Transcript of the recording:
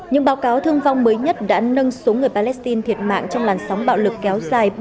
những báo cáo thương vong mới nhất đã nâng số người palestine thiệt mạng trong làn sóng bạo lực kéo dài